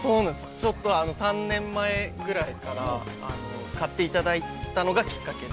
ちょっと３年前ぐらいから買っていただいたのがきっかけで。